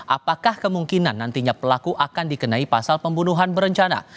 apakah kemungkinan nantinya pelaku akan dikenai pasal pembunuhan berencana